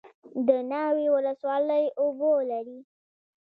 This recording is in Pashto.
د ناوې ولسوالۍ اوبه لري